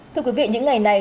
thưa quý vị những ngày này